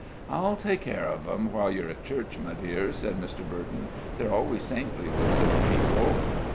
"I'll take care of them while you're at church, my dear," said Mr. Burton; "they're always saintly with sick people."